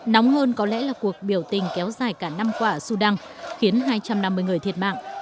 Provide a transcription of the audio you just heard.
nóng hơn có lẽ là cuộc biểu tình kéo dài cả năm qua ở sudan khiến hai trăm năm mươi người thiệt mạng